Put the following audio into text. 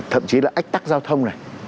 thậm chí là ách tắc giao thông này